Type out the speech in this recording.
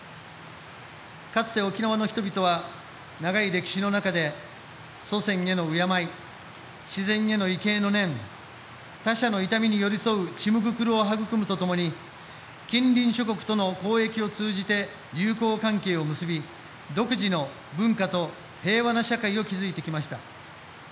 かつて、沖縄の人々は長い歴史の中で祖先への敬い、自然への畏敬の念他者の痛みに寄り添うチムグクルを育むとともに近隣諸国との交易を通じて友好関係を結び独自の文化と平和な社会を築いてきました。